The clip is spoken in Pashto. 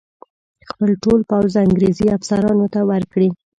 خپل ټول پوځ انګرېزي افسرانو ته ورکړي.